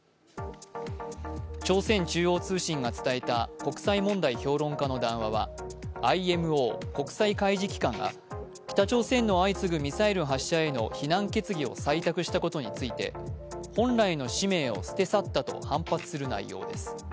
朝鮮中央通信が伝えた国際問題評論家の談話はＩＭＯ＝国際海事機関が北朝鮮の相次ぐミサイル発射への非難決議を採択したことについて本来の使命を捨て去ったと反発する内容です。